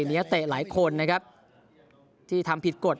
มีนักเตะหลายคนนะครับที่ทำผิดกฎ